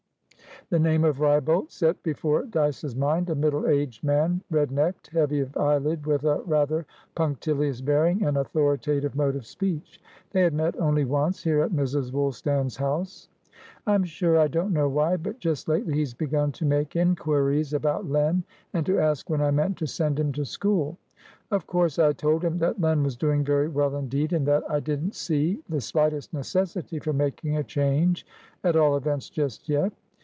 The name of Wrybolt set before Dyce's mind a middle aged man, red necked, heavy of eyelid, with a rather punctilious bearing and authoritative mode of speech. They had met only once, here at Mrs. Woolstan's house. "I'm sure I don't know why, but just lately he's begun to make inquiries about Len, and to ask when I meant to send him to school. Of course I told him that Len was doing very well indeed, and that I didn't see the slightest necessity for making a change at all events just yet.